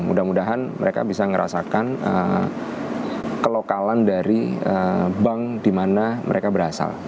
mudah mudahan mereka bisa ngerasakan kelokalan dari bank dimana mereka berasal